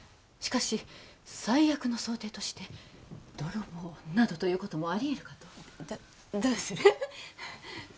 しかし最悪の想定として泥棒などということもありえるかとどどうする？